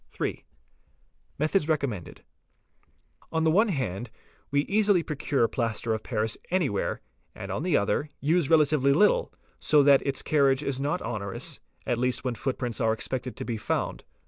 8. METHODS RECOMMENDED ®89), On the one hand we easily procure plaster of paris anywhere, and, _ on the other, use relatively little, so that its carriage is not onerous, at least when footprints are expected to be found.